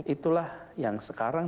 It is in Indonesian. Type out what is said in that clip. itulah yang sekarang